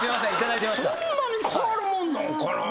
そんなに変わるもんなんかな。